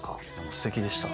すてきでした。